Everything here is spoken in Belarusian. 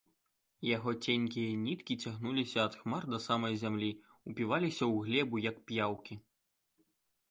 Яго ценькія ніткі цягнуліся ад хмар да самай зямлі, упіваліся ў глебу, як п'яўкі.